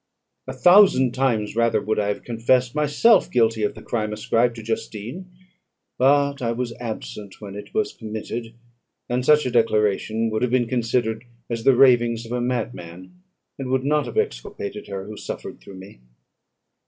A thousand times rather would I have confessed myself guilty of the crime ascribed to Justine; but I was absent when it was committed, and such a declaration would have been considered as the ravings of a madman, and would not have exculpated her who suffered through me.